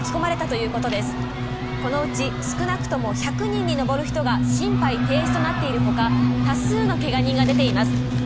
このうち少なくとも１００人に上る人が心肺停止となっているほか多数のけが人が出ています。